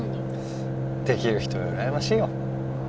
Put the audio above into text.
できる人は羨ましいよ。